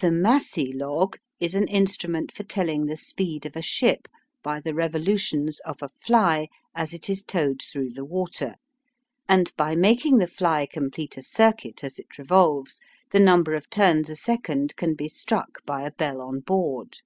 The Massey log is an instrument for telling the speed of a ship by the revolutions of a "fly" as it is towed through the water, and by making the fly complete a circuit as it revolves the number of turns a second can be struck by a bell on board.